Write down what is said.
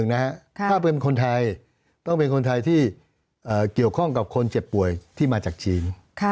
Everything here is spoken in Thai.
ถ้าเป็นคนไทยต้องเป็นคนไทยที่เกี่ยวข้องกับคนเจ็บป่วยที่มาจากจีน